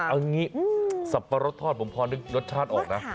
เอางี้สับปะรดทอดผมพอนึกรสชาติออกนะ